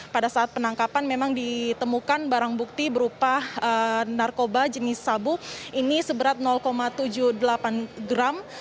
pada saat penangkapan memang ditemukan barang bukti berupa narkoba jenis sabu ini seberat tujuh puluh delapan gram